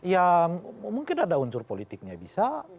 ya mungkin ada unsur politiknya bisa